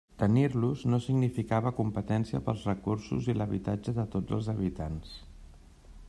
Tenir-los no significava competència pels recursos i l'habitatge de tots els habitants.